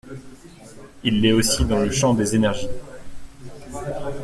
Il l’est aussi dans le champ des énergies.